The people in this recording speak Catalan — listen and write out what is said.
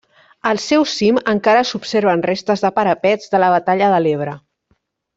Al seu cim encara s'observen restes de parapets de la batalla de l'Ebre.